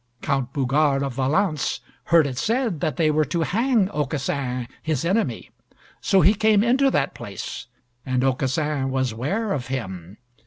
Count Bougart of Valence heard it said that they were to hang Aucassin, his enemy, so he came into that place and Aucassin was ware of him.